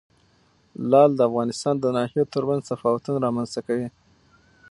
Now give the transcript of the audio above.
لعل د افغانستان د ناحیو ترمنځ تفاوتونه رامنځ ته کوي.